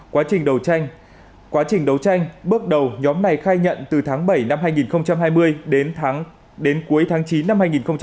quá trình đấu tranh bước đầu nhóm này khai nhận từ tháng bảy năm hai nghìn hai mươi đến cuối tháng chín năm hai nghìn hai mươi một